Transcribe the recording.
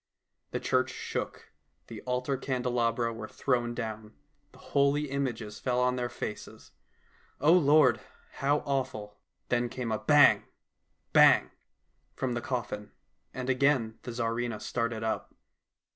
The church shook, the altar candelabra were thrown down, the holy images fell on their faces. O Lord, how awful ! Then came a bang ! bang ! from the coffin, and again the Tsarivna started up.